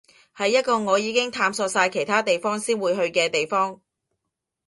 係一個我已經探索晒其他地方先會去嘅地方